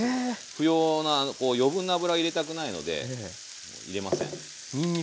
不要な余分な油を入れたくないので入れません。